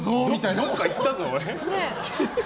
どっか行ったぞ。